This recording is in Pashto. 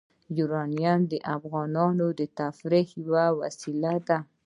یورانیم د افغانانو د تفریح یوه وسیله ده.